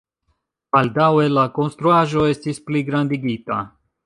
Baldaŭe la konstruaĵo estis pligrandigita.